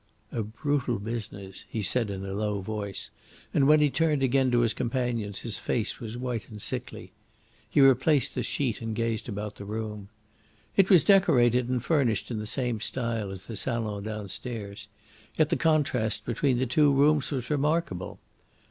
"A brutal business," he said in a low voice, and when he turned again to his companions his face was white and sickly. He replaced the sheet and gazed about the room. It was decorated and furnished in the same style as the salon downstairs, yet the contrast between the two rooms was remarkable.